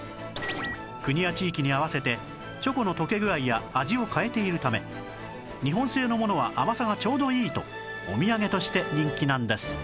国や地域に合わせてチョコの溶け具合や味を変えているため日本製のものは甘さがちょうどいいとお土産として人気なんです